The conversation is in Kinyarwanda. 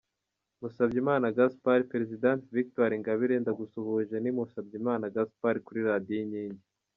Musabyimana Gaspard: Perezidante Victoire Ingabire ndagusuhuje ni Musabyimana Gaspard kuri Radio Inkingi.